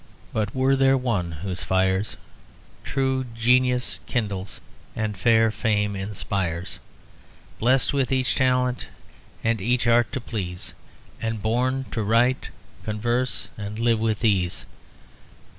But were there one whose fires True genius kindles, and fair fame inspires, Blest with each talent, and each art to please, And born to write, converse, and live with ease.